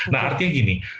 nah artinya gini